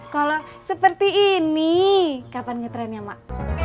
kalau seperti ini kapan ngetrendnya mak